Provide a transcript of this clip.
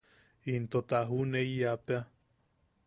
Into ta ju’uneiyapea.